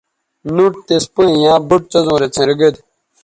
نُٹ تِس پیئں ییاں بُٹ څیزوں رے څھنر گید